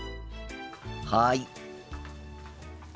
はい。